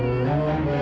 alright kak fah